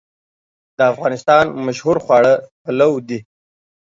د افغانستان مشهور خواړه پلو دی